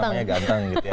berbibawah kan ganteng